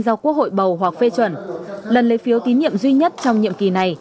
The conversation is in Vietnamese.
do quốc hội bầu hoặc phê chuẩn lần lấy phiếu tín nhiệm duy nhất trong nhiệm kỳ này